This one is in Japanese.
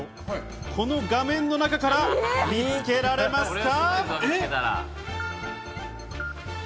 この画面の中から見つけられますか？